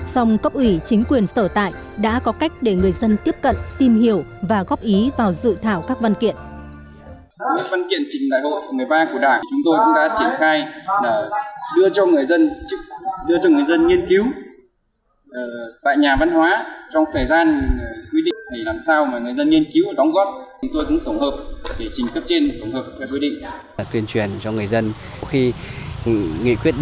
song cấp ủy chính quyền sở tại đã có cách để người dân tiếp cận tìm hiểu và góp ý vào dự thảo các văn kiện